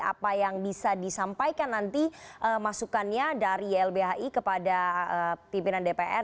apa yang bisa disampaikan nanti masukannya dari ylbhi kepada pimpinan dpr